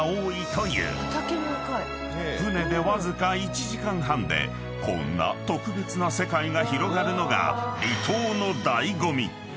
［船でわずか１時間半でこんな特別な世界が広がるのが］